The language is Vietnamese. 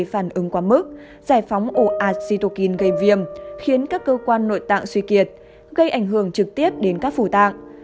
phản ứng quá mức giải phóng ổ ạt situkin gây viêm khiến các cơ quan nội tạng suy kiệt gây ảnh hưởng trực tiếp đến các phủ tạng